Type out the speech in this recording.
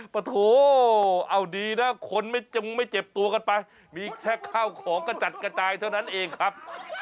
ปะโถเอาดีนะคนไม่เจ็บตัวกันไปมีแค่ข้าวของกระจัดกระจายเท่านั้นเองครับ